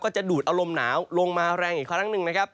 จะดูดเอาลมหนาวลงมาแรงอีกครั้งหนึ่งนะครับ